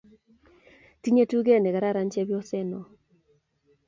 Tinye tuget ne kararan chepyoset no